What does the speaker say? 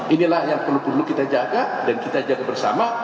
inilah yang perlu perlu kita jaga dan kita jaga bersama